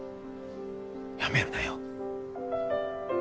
やめるなよ。